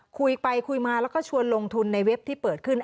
คุยไปคุยมาแล้วก็ชวนลงทุนในเว็บที่เปิดขึ้น